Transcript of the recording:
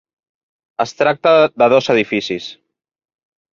Es tracta de dos edificis.